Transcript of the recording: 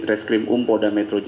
assalamualaikum wr wb